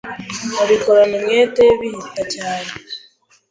babikorana umwete bihta cyane.